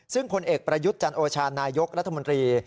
ซึ่งผลเอกประยุทธ์จันโอชานายกรัฐมนตรี